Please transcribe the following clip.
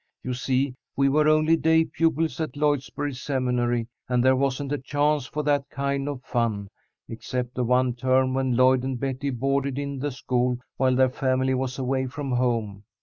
You see we were only day pupils at Lloydsboro Seminary, and there wasn't a chance for that kind of fun, except the one term when Lloyd and Betty boarded in the school while their family was away from home.